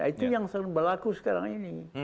itu yang selalu berlaku sekarang ini